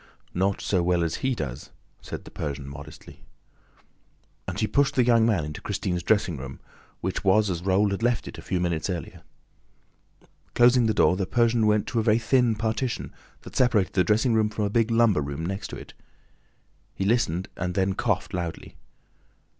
"Not so well as 'he' does!" said the Persian modestly. And he pushed the young man into Christine's dressing room, which was as Raoul had left it a few minutes earlier. Closing the door, the Persian went to a very thin partition that separated the dressing room from a big lumber room next to it. He listened and then coughed loudly.